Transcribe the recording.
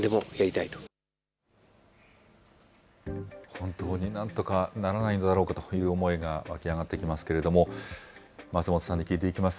本当になんとかならないのだろうかという思いが湧き上がってきますけれども、松本さんに聞いていきます。